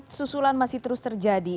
susulan masih terus terjadi